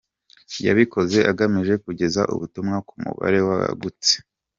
Yabikoze agamije kugeza ubutumwa ku mubare wagutse.